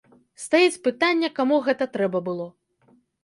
Стаіць пытанне, каму гэта трэба было.